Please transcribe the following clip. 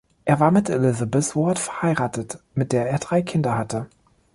Er war mit Elizabeth Ward verheiratet, mit der er drei Kinder hatte.